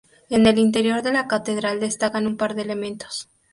En el interior de la catedral destacan un par de elementos.